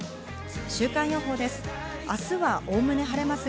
週間予報です。